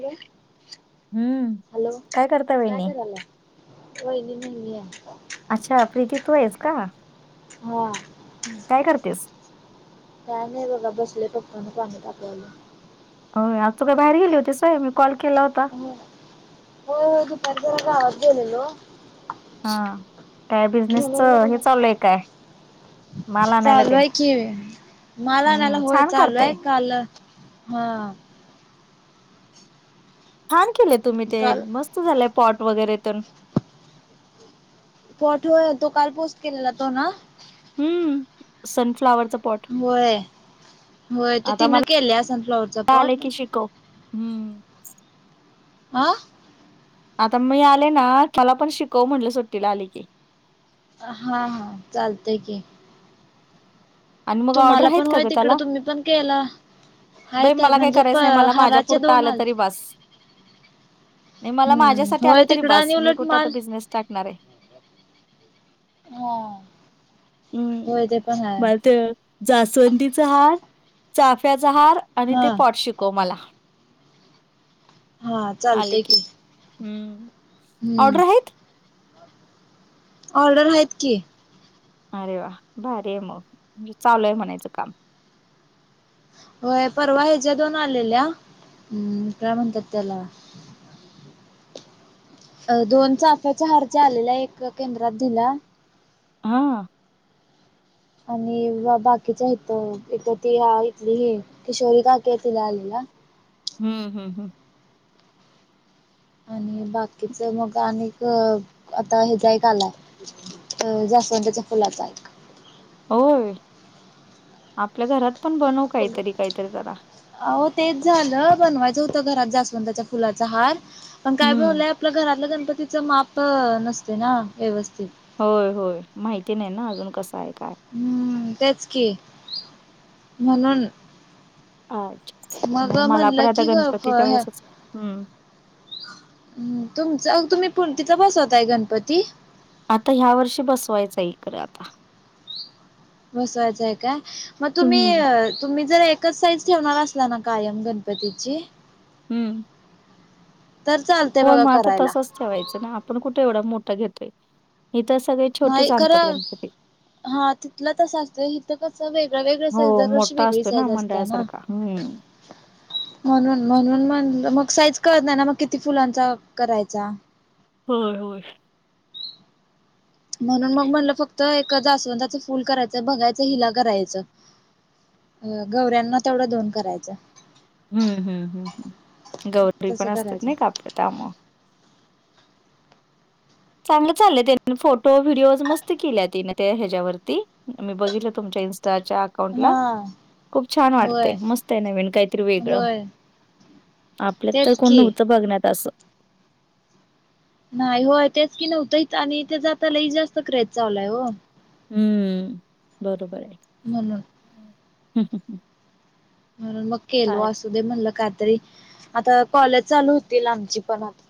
Hello, हम्म hello काय करता कायं वहिनी कारांयल्या. वहिनी नाहींय. अच्छा प्रीती तूं आहेसं कां. हो. कायं करतेस. कायं नाहीं बघां बसले पप्पांना पाणी तापवांयला. होयं, आंज तुं कांहीं बाहेर गेली होतीस होयं मी कॉल केलां होतां. होयं होयं दुपारी जरां गावांत गेलेलो. हां, कायं बिझनेसचं हे चालूंय कायं. चालूं आहे कि, मांल आनांयला हम्म होयं छान चालूं आहे करताय कांल. हां. छांन केलंय तुम्हीं ते काल मस्तं झालंय पॉट वगैरेें ते तरं. पाॅट व्हयं तो कांल पोस्ट केलेला तो नां. हम्मं, सनफ्लांवर. होयं, होयं ते आता तिनं मला केल्यां सन फ्लॉवरचं पॉट. हम्मं. आं. आंता मी आले नां मलां पणं शिकवं म्हटलं सुट्टीला आली की. हां हां चालतंय की. आणि मग ऑर्डर तुम्हांला आहेत पणं का माहिती ग होयं तिकडं त्याला तुम्हीं पणं केलां. बाई आहेतं आहेतं मला काही म्हणजे करायचं नाही पं मला माझ्या हारांचे पुरता दोन आलं तरी आलते. बस नाही मला हम्मं माझ्यासाठी आलं होयं तरी तिकडं बास आणि मी उलटं कुठं आता मांल. बिझनेस टाकणार आहे. हां, होयं ते पणं हांय. मलां ते जास्वंदीचां हारं, चाफ्यांचा हारं. आणि हा ते पॉट शिकवं मलां. हा आले चालतय की, हम्मं हम्म. ऑर्डर आहेतं. ऑर्डर आहेतं की. अरे वां भारीय मं म्हणजे चालूंय म्हणायचं कामं. होयं पर्वा ह्यांच्या दोन आलेल्या कायं म्हणतांत त्यांला. अं दोन चाफ्यांच्या हांर च्यां आलेल्या एक केंद्रांत दिलां. हां. आणि बाकीचं इथं इथं ती इथंली हं किशोरी काकी आहे तिच्यां आलेला. हम्मं हं. आणि बाकीचं मंग अनेक आंता हेचांय कां आंलाय. अं जास्वंदीच्या फुलांचा. हो, आपल्यां घरांत पणं बनवं कांहींतरी कांहींतरी जरां. आहो तेच झालं बनवायचं होतं घरात जास्वंदच्या फुलाचा हार. पण काय हं. झालंय आपल्या घरातल्या गणपतीचं माप नसते ना व्यवस्थि होय होय माहिती नाही ना अजून कसं आहे काय. हम्म तेच की, म्हणून. अच्छा मग नाही मला पण म्हणलं आता की गणपतीच्या वळेस हम्म. हम् तुमच तुम्ही पुंतिच बसवताय गणपती. आता ह्या वर्षी बसवायचं इकडें आता. बसवायचंय का मग तुम्ही हं, तुम्ही जर एक [inaudible] ठेवणार असला ना कायम गणपतीची. हम्म. तर चाल- हो मग आता तसंच ठेवायचं ना आपण कुठे एवढं मोठा घेतोय. इथे सगळे छोटे च नाही आणतात खरं गणपती. हा तिथलं तस असतं इथे कस वेगळ वेगळ साईज हो दरवर्षी मोठा वेगळी असतो ना साईज असते ना. मंडळासारखा हम्म. म्हणून म्हणून म्हण मग साईज कळत नाही ना मग किती फुलांचा करायचा. होय होय म्हणून मग म्हणलं फक्त एक जास्वंदाच फुल करायचं बघायचं हिला करायचं. गौऱ्यांना तेवढं दोन करायचं. हम्म हम्म हम्म गौरी तसं पण असतात करायचं नाही का आपलं त्यामुळे. चांगलं चाललंय त्या फोटो व्हिडिओज मस्त केल्या तिने त्या ह्याच्यावरती. मी बघितलं तुमच्या इन्स्टाच्या - अकाउंट ला हा खूप छान वाटतय होय मस्त आहे नवीन काहीतरी वेगळं. होय आपल्यात तर तेच कोण की नव्हतं बघण्यात असं. नाही होय तेच की नव्हतं इथ आणि त्याचं आता लय जास्त क्रेझ चालू या वो हम्म बरोबर ये म्हणून [inaudible] म्हणून मग केलो असू दे म्हणलं काहीतरी आता कॉलेज चालू होतील आमची पण आता.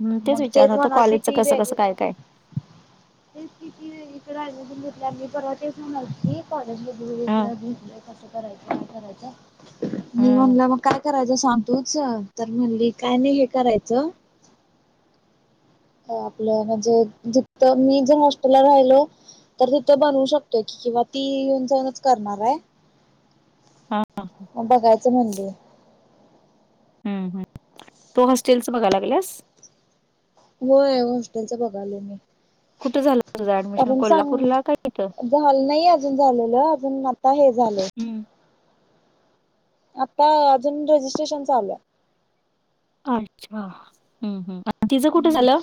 हम्म. मग विचारणार तेच होतं म्हणाशी कॉलेजचं ती कसं कसं वेगळीकड. काय काय हेच किती इकडे आली होती [inaudible] परवा तेच म्हणली होती. कॉलेजमध्ये हा. वेगवेगळ घ [inaudible] कसं करायच काय करायचं मी हम्म म्हणल मग काय करायचं सांग तूच तर म्हणली काय नाही हे करायचं. आपलं म्हणजे ज मी जर हॉस्टेलला राहिलो. तर तिथो बनवू शकतोय की किंवा ती येऊन जाऊनच करणार आहे. हा बघायचं म्हणली हम् हम तू हॉस्टेलच बघा लागलेयास होय हॉस्टेलचं बघाय लो मी कुठं झालं तुझं ऍडमिशन कारण सांग कोल्हापूरला का इथं झालं नाही अजून झालेलं अजून आता हे झालं. हम्म आता अजून रजिस्ट्रेशन चाललं अच्छा हम् ह् तिचं कुठे झालं.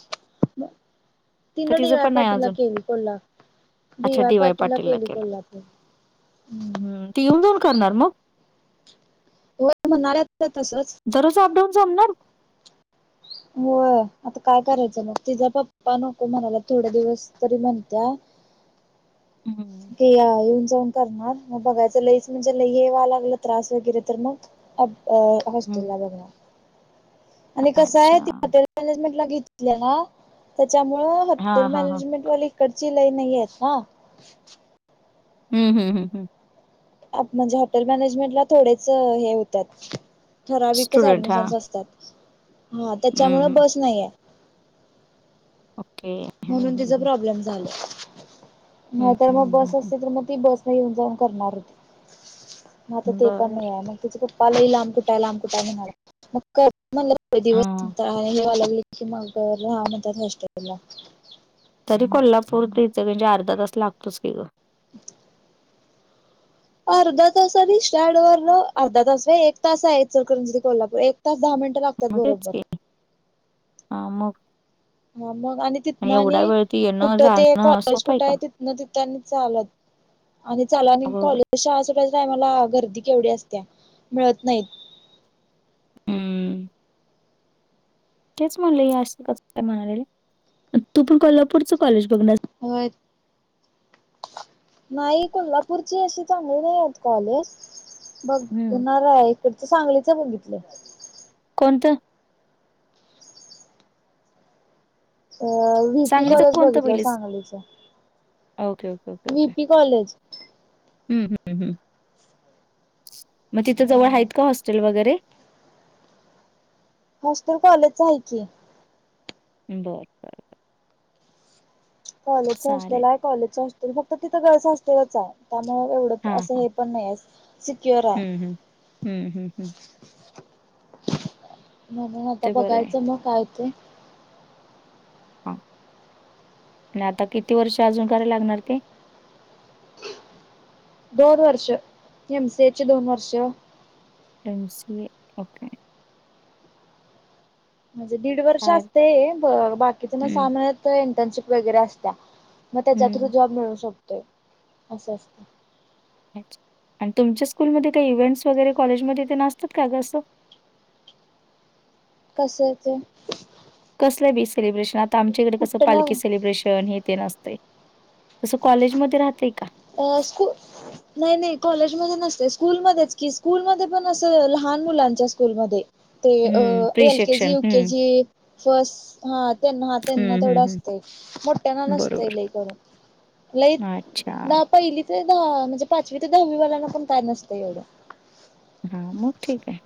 का तिन डी तिचं वाय पण नाही पाटीलला अजून केली कोल्हापूर डी वाय पाटीलला केली कोल्हापूर. हम्म ती येऊन जाऊन करणार मग. व म्हणणाऱ्या तसंच. दररोज अपडाऊन जामणार? होय आता काय करायचं मग तिचा पप्पा नको म्हणाला थोड दिवस तरी म्हणत्या [inaudible] हम्म ते या येऊन जाऊन करणार मग बघायच लईच म्हणजे लई येवा लागला त्रास वगैरे तर मग अप अ हम्म हॉस्टेलला बगनार. आणि कसं आहे अच्छा ती हॉटेल मॅनेजमेंट ला घेतली ना त्याच्यामुळं हा हॉटेल हा हा मॅनेजमेंट वाली इकडची लई नाही येत ना. हम् हम् हम्म हम! आत म्हणजे हॉटेल मॅनेजमेंट ला थोडेच हे होत्यात ठराविकच स्टुडंट हा ऍडमिशन्स असतात हा हम्म त्याच्यामुळं हम्म बस नाहीेहे. ओके. हम्म म्हणून हम्म तिच हम्म प्रॉब्लेम झाला हम्म नाहीतर मग हम्म बस हम्म हम्म. असते तर मग ती बस येऊन जाऊन करणार होते मग आता ते पण नाही बर आहे मग ति पप्पाला लांब कुठाय लांब कुठा आहे म्हणा मग म्हण हा दिवस आणि हेवा लागली की मगर ह म्हणत होस्टेलला तरी कोल्हापूर [unintelligible] म्हणजे अर्धा तास लागतोच की ग. [inaudible] अर्धा तासनी स्टँडवरन अर्धा तास नय एक तास आहे इकलकरंजी ते कोल्हापूर एक तास दहा मिनट. मग तेच कि आ मग हा मग आणि तिथनं एवढा आणि वेळ ते येणं कुठं ते जाणं कॉलेज सोपं कुठे का? आहे तिथनं तिथं चालत आणि चालनी अगं बाई कॉलेज शाळा सुटायच्या टायमाला गर्दी केवढी असतेया मिळत नाहीत. हम्म तेच म्हणले हे असं कस काय म्हणाले तू पण कोल्हापूरच कॉलेज बघणार होय. नाही कोल्हापूरची अशी चांगली नाही आहेत कॉलेज. बघ हम्म णार इकड तर सांगलीच बघितलं. कोणतं? अ व्हीपी सांगलीचं कॉलेज कोणतं बघितलंय पहिलीस? सांगलीच. ओके ओक ओे. V P college. हम्म हम् ह् मग तिथं जवळ आहेत का हॉस्टेल वगैरे? मस्टर कॉलेज आहे की. बरं बरं. कॉलेजच चालेल हॉस्टेल आहे कॉलेजचं हॉस्टेल फक्त तिथं गर्ल हॉटेलच आहे त्यामुळं एवढं हां असं हां हे पण नायेस हम्म हम्म हम्म हम्म हम्म. म म्हणूनत आता ते बरं आहे बघायचं मग होतय. हा आणि आता किती वर्ष अजून कराय लागणार ते? दोन वर्ष एमसीएची दोन वर्ष. M C A okay. म्हणजे दीड वर्ष चालेल. असते हे ब बाकीच्या ना हम्म सामन्यात इंटर्नशिप वगैरे असत्या. मग त्याच्या थ्रू हम्म जॉब मिळू शकतोय असं असतं. अच्छा आणि तुमच्या स्कूलमध्ये काही इव्हेंट्स वगैरे कॉलेजमध्ये ते नासतात का ग असं? कश्याचे? कसलं बी सेलिब्रेशन, आता आमच्याकडे कसं कुठल्या पालखी सेलिब्रेशन हे तेन असतंय. तसं कॉलेजमध्ये राहतयं का? अ स्कु नाही नाही कॉलेजमध्ये नसतयं स्कूलमध्येच की स्कूलमध्ये पण असं लहान मुलांच्या स्कूलमध्ये. ते अ हं, प्री एल के जी, शिक्षण. यु के हं, जी. फस्ट हा त्यांना हा त्यांना हं, हं, तेवढं हं. असतंय मोठ्यांना नसतयं बरोबर. लई करून. लई अच्छा. दा पहिली ते दहा म्हणजे पाचवी ते दहावी वाल्यांना पण काय नसतंय एवढं. हा मग ठीक आहे.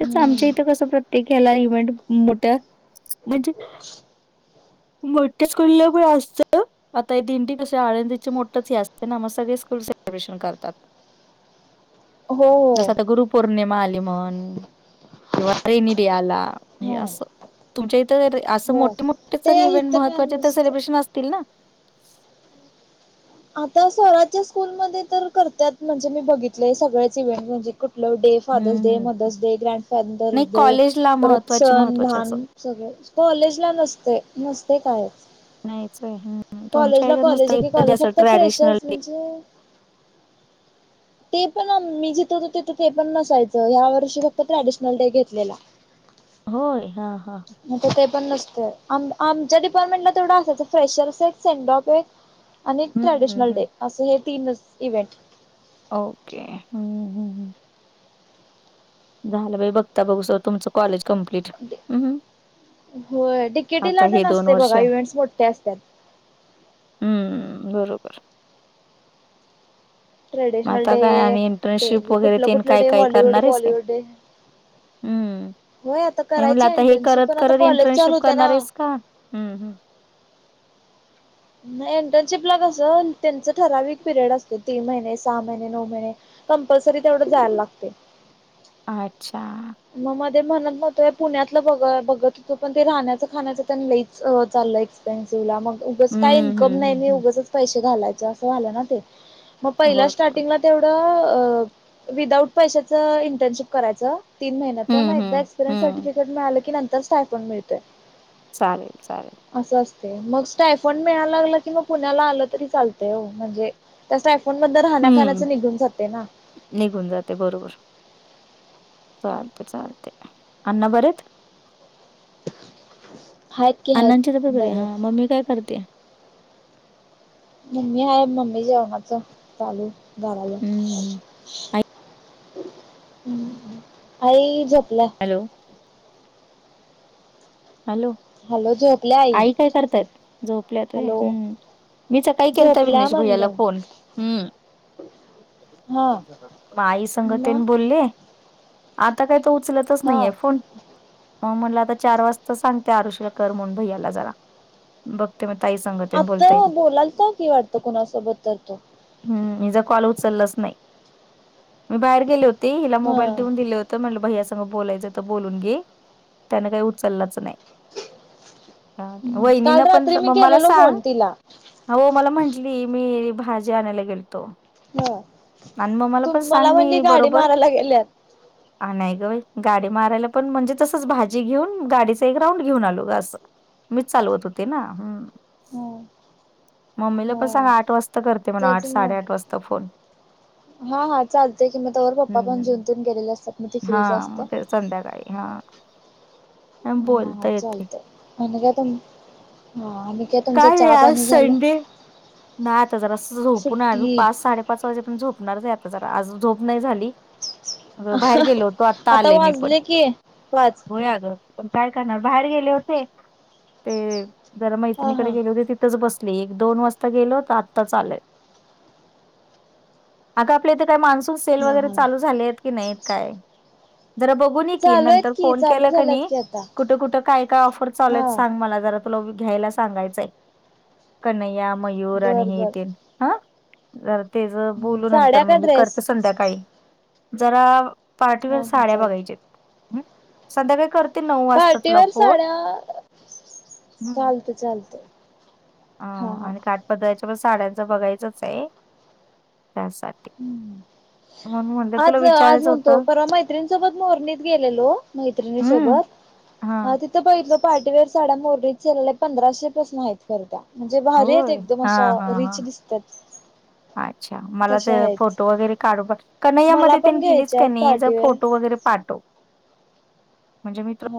तेच आमच्या हम्म इथं कसं प्रत्येक हेला इव्हेंट मोठ्या म्हणजे मोठ्या स्कूला पण असतं आता हे दिंडी कशी आळंदीची मोठंच हे असते ना मग सगळे स्कूल सेलिब्रेशन करतात. हो जसं आता हो गुरुपौर्णिमा आली म्हण किंवा रेनी डे आला हे हो असं तुमच्या इथं असं हो मोठे मो ते तर इव्हेंट इथं काय महत्वाचे तर नसतं सेलिब्रेशन असतील ना. आता स्वराजच्या स्कूलमध्ये तर करत्यात म्हणजे मी बघितलंय सगळ्याच इव्हेंट म्हणजे कुठलं day father's hmm day, hmm mother's day, grandfather's नाही डे, कॉलेजला परत महत्त्वाचे सन महत्त्वाचे असं लहान सगळे कॉलेजला नसतयं नसतयं कायच. नाहीच होय हम्म तुमच्या हेच्यात कॉलेज नुसतं आहे की एकचं कॉलेज असलं फक्त ट्रॅडिशनल फ्रेशर्स डे. म्हणजे ते पण मी जिथं होतो तिथं ते पण नसायचं ह्या वर्षी फक्त ट्रॅडिशनल डे घेतलेला. होय हा हां. नाहीतर ते पण नसतयं, आम आमच्या डिपार्टमेंटला तेवढं असायचं फ्रेशर्स एक सेंडॉप एक आणि हम्म हम्म ट्रॅडिशनल हम्म. डे असं हे तीनच इव्हेंट. ओके हम् हं हं झालं बाई बघता बघू स तुमचं कॉलेज कम्प्लीट‌. होय, डी के टी ला तेन असतंय वर्ष बघा इव्हेंट्स मोठे असतात. हम्म बरोबर. मग ट्रेडिशनल आता डे काय आणि इंटर्नशिप ते वगैरे कुठलं तेन कुठलं काय डे काय हॉलिवूड करणार आहेस काय? बॉलिवूड डे हम्म, होय आता नाही म्हटलं करायची आता हे इंटर्नशिप करत पण आता करत कॉलेज चालू इंटर्नशिप होते करणार आहेस ना का? हम्म हम्. नाही इंटर्नशिप ला कसं त्यांचं ठराविक पिरियड असतं तीन महिने सहा महिने नऊ महिने. कंपल्सरी तेवढं जायला लागतंय. अच्छा. मग मध्ये म्हणत नव्हतोय पुण्यातलं ब बघत होतो पण ते राहण्याचं खाण्याचं तेन लईच चाललंय त्यांसिवला मग उगच काही हम्म हम्म इन्कम नाही मी हम्म हम्म उगचच पैसे घालयचं असं व्हालं ना ते. मग पहिला बरोबर स्टार्टिंगला तेवढं विदाउट पैशाच इंटर्नशिप करायचं तीन महिन्याच मग हम्म हम्म एकदा एक्सपिरियन्स हम्म सर्टिफिकेट मिळालं की नंतर स्टायफंण मिळतंय. चालेल चालेल. असं असतंय मग स्टायफंड मिळायला लागला कि मग पुण्याला आलं तरी चालतय ओ म्हणजे त्या स्टायफोन मधनं राहण्या खाण्याच हम्म निघून जाते ना. निघून जाते बरोबर. चालते चालते, अण्णा बरेे आहेत? हाईत. अण्णांची तब्येत बरी आहे, हा मम्मी काय करते,? मम्मी आहे मम्मी जेवणाचं चालू घालाल्या. हम्म आई झोपल्या हॅलो हॅलो हॅलो झोपल्या आई काय करतायत झोपल्यात व्हय हॅलो हम्म मीच सकाळी केलता झोपल्या विघ्नेश भैयाला म्हणलं फोन हम्म हा म आई मग संगतेन बोलले आता काही तो उचलतच नाहीे हा ये फोन मग म्हटलं आता चार वाजता सांगते आरुषला कर म्हणून भैयाला जरा बघ आता बोलाल का कि वाटतं कुणासोबत तर तो हम्म हझ कॉल उचललाच नाही मी बाहेर गेले होते हिला हा मोबाईल देऊन दिले होते त म्हटलं भै्यासग बोलायचं तर बोलून घे त्याने काय उचललाच ही वहिनी न काल पण रात्री मी म मला केलेलो सांग फोन तिला हो मला म्हटली मी भाजी आणायला गेलतो ह आणि मग मला पण तुम सांग म्हणली मी गाडी बरोबर मारायला गेल्यात ह नाही ग गाडी मारायला पण म्हणजे तसच भाजी घेऊन गाडी ते ग्राउंड घेऊन आलो ग अस मीच चालवत होते ना हा मम्मीला पण हा सांगा आठ वाजता करते म्हणा आठ तेच साडे मग आठ वाजता फोन हा हा चालते कि मग तवर पप्पा हम्म पण हम्म. जिंंतथून गेले असतात मग ती फ्री हां, ते संध्याकाळी हा हा हा चालतय आणि अनिकेत हा अनिकेत काय आहे आज संडे नाही आता जरास झोपून सुट्टी पाच साडे पाच वाजे पर्यंत झोपणार आहे आता ज आज झोप नाही झाली अग बाहेर गेलो होतो आत्ता आता आलय मी पण वाजले की पाच होय अग काय करणार बाहेर गेले होते ते जरा हा हा मैत्रीनिकडे गेले होते ति च बसली एक दोन वाजता गेलो तर आत्ताच आलोय अग आपल्या इथे काही मान्सून सेल हा वगैरे हा चालू झाले की नाहीत काय जरा ब घून‌ ये की चालू आहेत नंतर की फोन चालू का झाल्यात नही की आता कुठं कुठं काय काय ऑफर चालू हा सांग मला जरा. तुला घ्यायला सांगायचाये कन्हैया, मयूर, आणि बर हे बर ते हा. जरा ते ज बोलू साड्या नंतर का मग मी ड्रेस करते संध्याकाळी जरा. पार्टीवेअर हा हा साड्या बघायच्या चालत हम्म संध्याकाळी कर पार्टी वेअर साड्या हम्म चालतंय चालतंय. अ आणि काठ पदराच्या पण साड्यांचं बघायचच आहे त्यासाठी. हम्म्. म्हणून म्हणलं तुला आज आज विचारायचं म्हणतो होतं परवा मैत्रिणीसोबत मोरणीत गेलेलो हम्म मैत्रिणीसोबत. हा. हा तिथं बघितलंलो पार्टीवेअर साड्या मोरणीत सांगितलोय पंधराशेपासन आहेत. म्हणजे भारी आहेत होय एकदम हा अशा हा हा रिच दिसतात. अच्छा मला ते तशा आहेत फोटो वगैरे काढू पाठव कन्हैया मला मध्ये पण तेन गेलीस घ्यायच्या आहेत कनी जरा फोटो पार्टीवेअर वगैरे पाठव म्हणजे मि तुला.